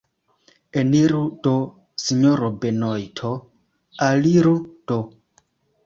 Eniru do, sinjoro Benojto, aliru do.